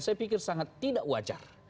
saya pikir sangat tidak wajar